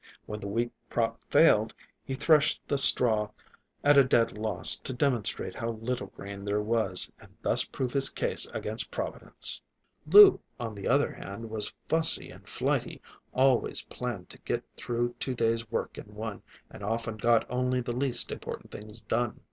When the wheat crop failed, he threshed the straw at a dead loss to demonstrate how little grain there was, and thus prove his case against Providence. Lou, on the other hand, was fussy and flighty; always planned to get through two days' work in one, and often got only the least important things done.